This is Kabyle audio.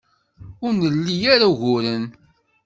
Ur nli ara uguren.